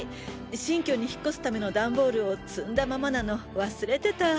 新居に引っ越すためのダンボールを積んだままなの忘れてた。